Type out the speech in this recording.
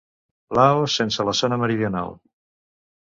Laos sense la zona meridional.